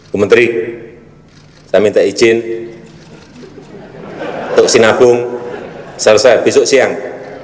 bu menteri saya minta izin untuk sinabung selesai besok siang